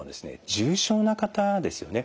重症な方ですよね。